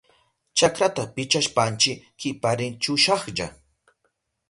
Chakrata pichashpanchi kiparin chushahlla.